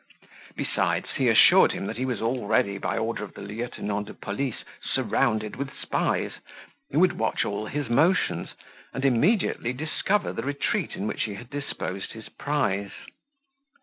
Besides, he assured him that he was already, by order of the lieutenant de police, surrounded with spies, who would watch all his motions, and immediately discover the retreat in which he had disposed his prize.